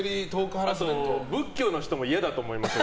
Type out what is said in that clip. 仏教の人も嫌だと思いますよ。